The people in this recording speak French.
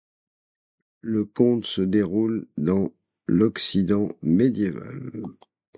Le conte se déroule dans l'Occident médiéval.